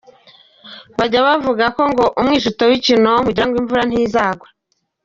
Bajya bavuga ko ngo umwijuto w’ikinonko ugirango imvura ntizagwa.